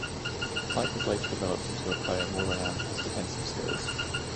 Pyke was later developed into a player more renowned for his defensive skills.